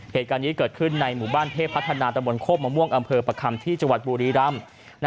เหตุการณ์นี้เกิดขึ้นในหมู่บ้านเทพพัฒนาตะบนโคกมะม่วงอำเภอประคัมที่จังหวัดบุรีรำ